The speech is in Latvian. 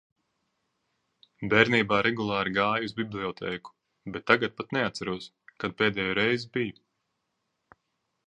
Bērnībā regulāri gāju uz bibliotēku, bet tagad pat neatceros, kad pēdējo reizi biju.